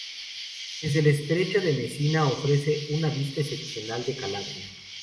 Desde el Estrecho de Mesina ofrece una vista excepcional de Calabria.